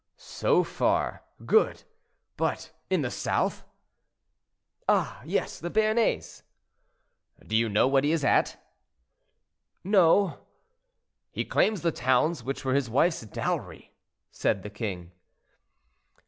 "So far, good; but in the south—" "Ah, yes; the Béarnais—" "Do you know what he is at?" "No." "He claims the towns which were his wife's dowry," said the king.